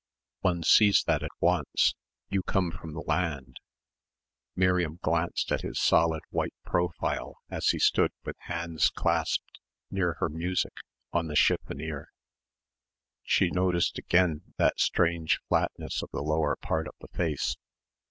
"One sees that at once. You come from the land." Miriam glanced at his solid white profile as he stood with hands clasped, near her music, on the chiffonier. She noticed again that strange flatness of the lower part of the face.